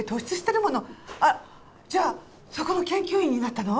あっじゃあそこの研究員になったの？